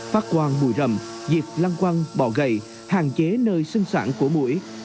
phát quan bùi rầm diệt lăng quăng bọ gầy hạn chế nơi sân sản của mũi